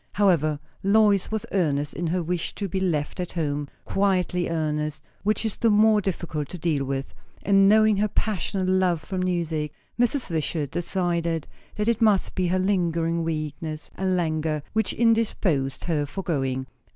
However, Lois was earnest in her wish to be left at home; quietly earnest, which is the more difficult to deal with; and, knowing her passionate love for music, Mrs. Wishart decided that it must be her lingering weakness and languor which indisposed her for going.